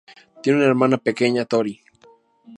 Tiene una hermana pequeña, Tori.